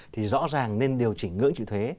thì rõ ràng nên điều chỉnh ngưỡng trịu thuế